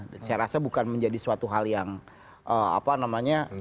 saya rasa bukan menjadi suatu hal yang apa namanya